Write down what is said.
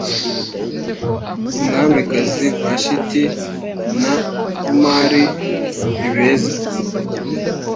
umwamikazi vashiti na omari nibeza